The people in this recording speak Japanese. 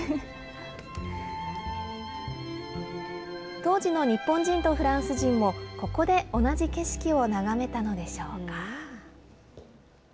当時の日本人とフランス人も、ここで同じ景色を眺めたのでしょうか。